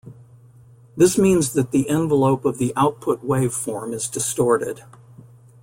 This means that the envelope of the output waveform is distorted.